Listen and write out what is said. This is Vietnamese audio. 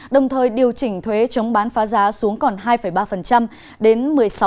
đồng thời điều chỉnh thuế chống bán phá giá xuống còn hai ba đến một mươi sáu